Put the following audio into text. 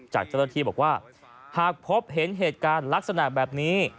จากเจ้าหน้าที่บอกว่าหากพบเห็นเหตุการณ์ลักษณะแบบนี้